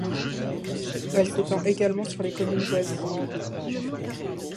Elle s’étend également sur les communes voisines.